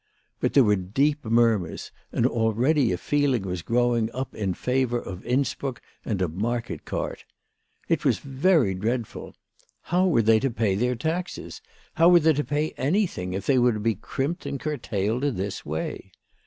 But there were deep murmurs, and already a feeling was growing up in favour of Innsbruck and a market cart. It was very dreadful. How were they to pay their taxes, how were they to pay anything, if they were to be crimped and curtailed in this way